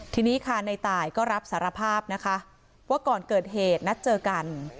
ทีนี้ค่ะในตายก็รับสารภาพนะคะว่าก่อนเกิดเหตุนัดเจอกัน